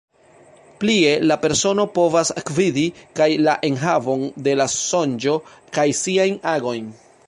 Plie la persono povas gvidi kaj la enhavon de la sonĝo kaj siajn agojn.